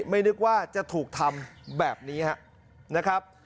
ไม่นึกว่าจะถูกทำแบบนี้นะครับ